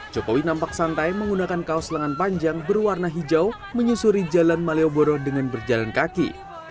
jokowi nampak santai menggunakan kaos lengan panjang berwarna hijau menyusuri jalan malioboro dengan berjalan kaki